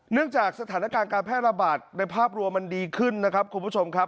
จากสถานการณ์การแพร่ระบาดในภาพรวมมันดีขึ้นนะครับคุณผู้ชมครับ